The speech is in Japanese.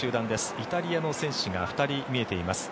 イタリアの選手が２人見えています。